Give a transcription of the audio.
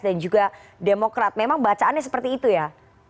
juga demokrat memang bacaannya seperti itu ya